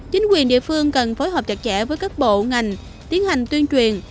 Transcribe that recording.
chính quyền địa phương cần phối hợp chặt chẽ với các bộ ngành tiến hành tuyên truyền